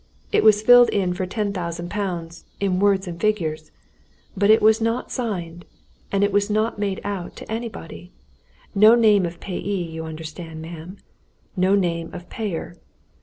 It was filled in for ten thousand pounds in words and in figures. But it was not signed and it was not made out to any body. No name of payee, you understand, ma'am, no name of payer.